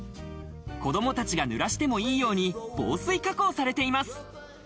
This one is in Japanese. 子供たちが濡らしてもいいように防水加工されています。